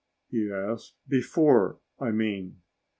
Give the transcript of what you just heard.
he asked. "Before, I mean."